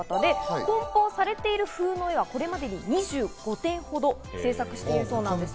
梱包されているふうの絵はこれまで２５点ほど制作されているそうです。